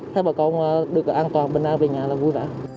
thế bà con được an toàn bình an về nhà là vui vẻ